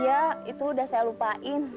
iya itu udah saya lupain